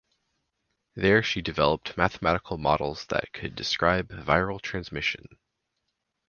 There she developed mathematical models that could describe viral transmission.